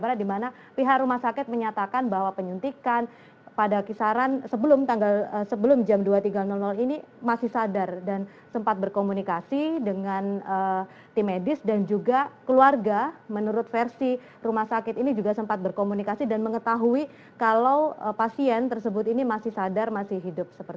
karena di mana pihak rumah sakit menyatakan bahwa penyuntikan pada kisaran sebelum jam dua puluh tiga ini masih sadar dan sempat berkomunikasi dengan tim medis dan juga keluarga menurut versi rumah sakit ini juga sempat berkomunikasi dan mengetahui kalau pasien tersebut ini masih sadar masih hidup